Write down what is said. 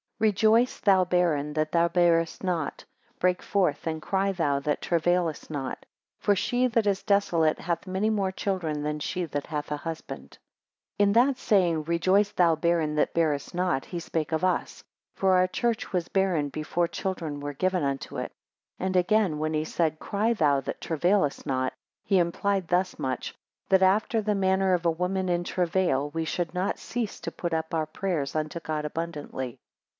REJOICE, thou barren, that bearest not, break forth and cry thou that travailest not; for she that is desolate hath many more children than she that hath a husband. 2 In that saying, Rejoice thou barren that bearest not, he spake of us: for our church was barren before children were given unto it. 3 And again; when he said, Cry thou that travailest not: he implied thus much: That after the manner of a woman in travail, we should not cease to put up our prayers unto God abundantly.